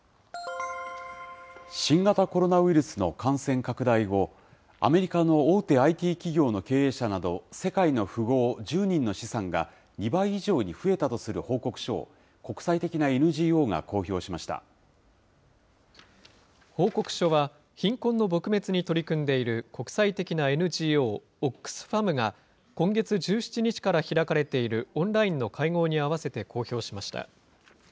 新型コロナウイルスの感染拡大後、アメリカの大手ＩＴ企業の経営者など、世界の富豪１０人の資産が、２倍以上に増えたとする報告書を、報告書は、貧困の撲滅に取り組んでいる国際的なＮＧＯオックスファムが、今月１７日から開かれているオンラインの会合に合わせて公表しました。